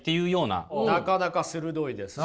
なかなか鋭いです。